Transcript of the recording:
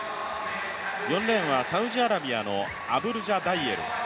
４レーンはサウジアラビアのアブルジャダイェル。